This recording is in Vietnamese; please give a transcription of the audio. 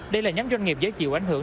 đây là nhóm doanh nghiệp dễ chịu ảnh hưởng